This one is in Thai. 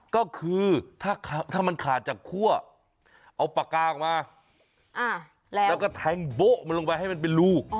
ก็คือถ้ามันขาดจากคั่วเอาปากกาออกมาแล้วก็แทงโบ๊ะมันลงไปให้มันเป็นรู